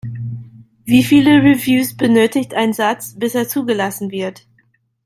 Wie viele Reviews benötigt ein Satz, bis er zugelassen wird?